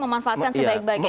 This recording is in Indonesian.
memanfaatkan sebaik baiknya itu